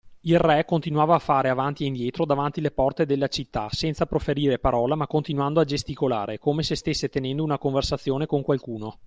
Il Re continuava a fare avanti e indietro davanti le porte della città, senza proferire parola ma continuando a gesticolare, come se stesse tenendo una conversazione con qualcuno.